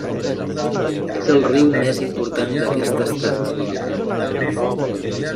És el riu més important d'aquest estat.